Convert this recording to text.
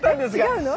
違うの？